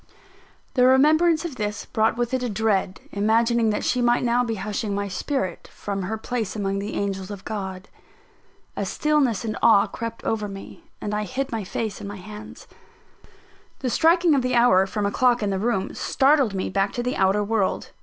The remembrance of this brought with it a dread imagining that she might now be hushing my spirit, from her place among the angels of God. A stillness and awe crept over me; and I hid my face in my hands. The striking of the hour from a clock in the room, startled me back to the outer world.